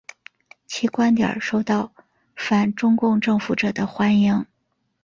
其观点受到反中共政府者的欢迎。